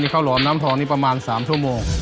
ข้าวหลอมน้ำทองนี่ประมาณ๓ชั่วโมง